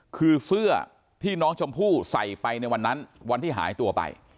คือเสื้อที่น้องชมพู่ใส่ไปในวันนั้นวันที่หายตัวไป